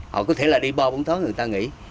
họ có thể là đi bo bốn tháng người ta nghỉ